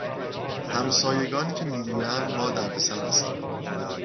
همسایگانی که می گویند ما دردسر هستیم